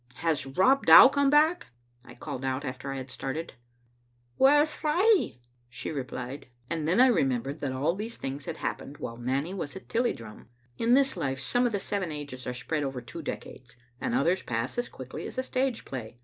" Has Rob Dow come back?" I called out after I had started. " Whaur frae?" she replied; and then I remembered that all these things had happened while Nanny was at Tilliedrum. In this life some of the seven ages are spread over two decades, and others pass as quickly as a stage play.